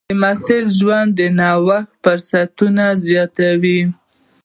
د محصل ژوند د نوښت فرصتونه زیاتوي.